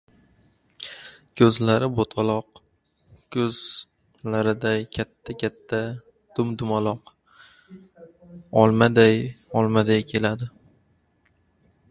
Ko‘zlari bo‘taloq ko‘zlariday katta-katta, dum-dumaloq, olmaday-olmaday keladi!